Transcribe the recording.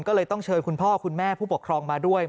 ก็เลยต้องเชิญคุณพ่อคุณแม่ผู้ปกครองมาด้วย